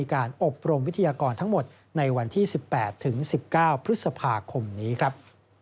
กตบอกไว้ดังนั้นสิ่งที่ไม่แน่ใจก็ไม่ควรทำ